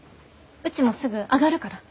うちもすぐ上がるから。